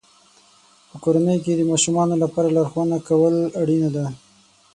په کورنۍ کې د ماشومانو لپاره لارښوونه کول اړینه ده.